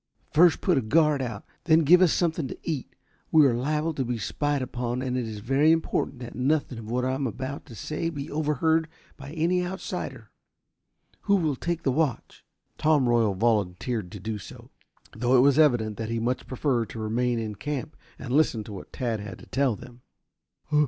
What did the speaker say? "First put a guard out, then give us something to eat. We are liable to be spied upon and it is very important that nothing of what I am about to say be overheard by any outsider. Who will take the watch?" Tom Royal volunteered to do so, though it was evident that he much preferred to remain in camp and listen to what Tad had to tell them.